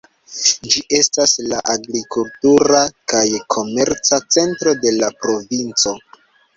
Ĝi estas la agrikultura kaj komerca centro de la provinco.